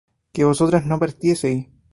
que vosotras no partieseis